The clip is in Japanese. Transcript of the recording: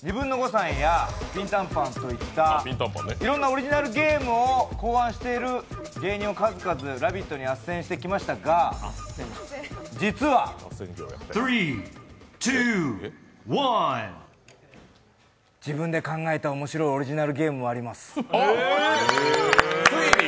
さんやピンタンパンといったいろんなオリジナルゲームを考案している芸人を数々「ラヴィット！」にあっせんしてきましたが、実は自分で考えた面白いオリジナルゲームあります。